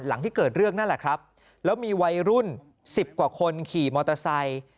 ที่เกิดเรื่องนั่นแหละครับแล้วมีวัยรุ่น๑๐กว่าคนขี่มอเตอร์ไซค์